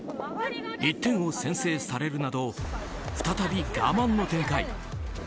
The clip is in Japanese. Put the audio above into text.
１点を先制されるなど再び我慢の展開。